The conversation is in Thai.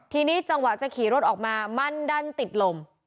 ทีนี้จังหวะจะขี่รถออกมามันดันติดลม